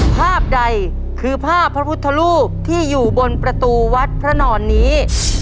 ภาพใดคือภาพพระพุทธรูปที่อยู่บนประตูวัดพระนอนนี้